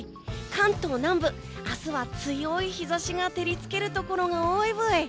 関東南部、明日は強い日差しが照り付けるところが多いブイ。